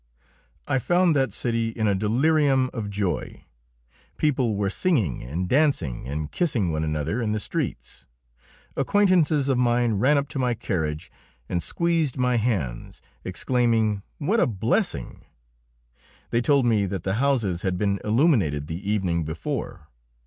I found that city in a delirium of joy; people were singing and dancing and kissing one another in the streets; acquaintances of mine ran up to my carriage and squeezed my hands, exclaiming "What a blessing!" They told me that the houses had been illuminated the evening before.